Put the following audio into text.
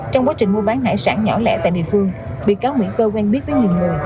trong quá trình mua bán hải sản nhỏ lẻ tại địa phương bị cáo nguyễn cơ quen biết với nhiều người